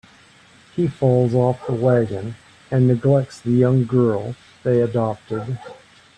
He falls off the wagon and neglects the young girl they adopted.